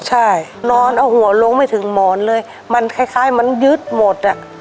ใช่นอนเอาหัวลงไม่ถึงหมอนเลยมันคล้ายมันยึดหมดอ่ะ